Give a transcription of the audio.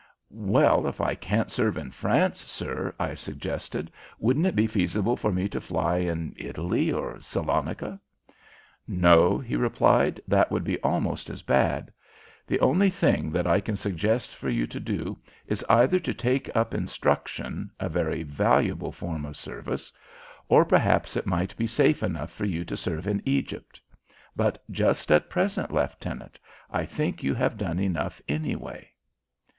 "Well, if I can't serve in France, sir," I suggested, "wouldn't it be feasible for me to fly in Italy or Salonica?" "No," he replied; "that would be almost as bad. The only thing that I can suggest for you to do is either to take up instruction a very valuable form of service or perhaps it might be safe enough for you to serve in Egypt; but, just at present, Leftenant, I think you have done enough, anyway."